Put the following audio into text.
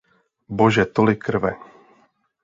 Bože, tolik krve!